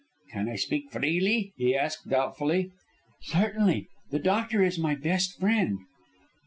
"Can I speak freely?" he asked doubtfully. "Certainly. The doctor is my best friend."